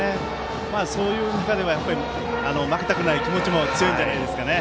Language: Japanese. そういう中でも負けたくない気持ちが強いんじゃないですかね。